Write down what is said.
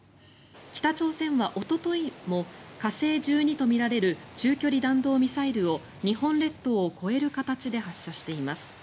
北朝鮮はおとといも火星１２とみられる中距離弾道ミサイルを日本列島を越える形で発射しています。